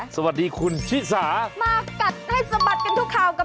สวัสดีค่ะไทรัส